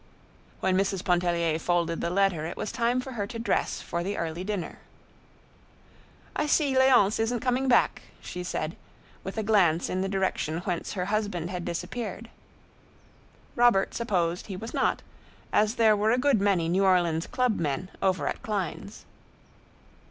When Mrs. Pontellier folded the letter it was time for her to dress for the early dinner. "I see Léonce isn't coming back," she said, with a glance in the direction whence her husband had disappeared. Robert supposed he was not, as there were a good many New Orleans club men over at Klein's.